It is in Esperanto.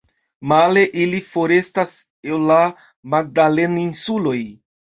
Male ili forestas el la Magdalen-Insuloj.